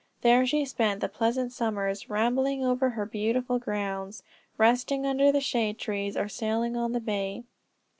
There she spent the pleasant summers, rambling over her beautiful grounds, resting under the shade trees, or sailing on the bay.